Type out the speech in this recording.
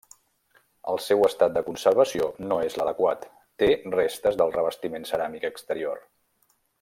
El seu estat de conservació no és l'adequat, té restes del revestiment ceràmic exterior.